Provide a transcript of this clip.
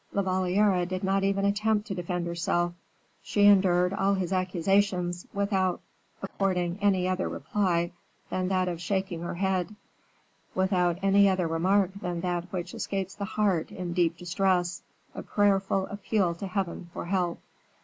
La Valliere did not even attempt to defend herself; she endured all his accusations without according any other reply than that of shaking her head; without any other remark than that which escapes the heart in deep distress a prayerful appeal to Heaven for help.